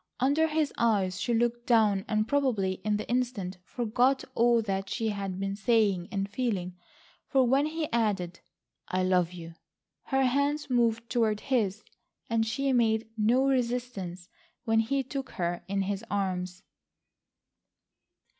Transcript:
Under his eyes she looked down and probably in the instant forgot all that she had been saying and feeling, for when he added: "I love you," her hands moved toward his, and she made no resistance when he took her in his arms.